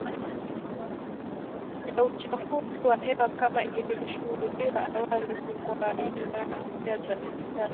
ya uchafuzi wa hewa kama ilivyoshuhudiwa awali hukoaina mpya za nishati